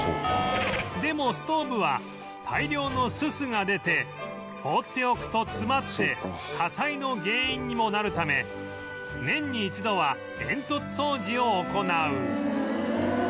でもストーブは大量のススが出て放っておくと詰まって火災の原因にもなるため年に一度は煙突掃除を行う